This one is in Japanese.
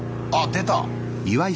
出た。